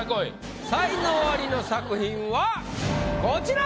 才能アリの作品はこちら！